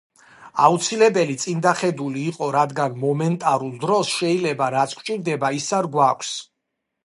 აუცილებელი წინდახედული იყო რადგან მომენტარულ დროს შეიძლება რაც გჭირდება ის არ გვაქვს